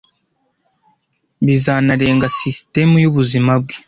bizanarenga sisitemu yubuzima bwe